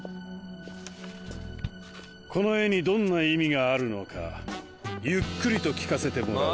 この絵にどんな意味があるのかゆっくりと聞かせてもらう。